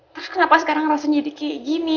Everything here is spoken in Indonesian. terus kenapa sekarang rasanya jadi kayak gini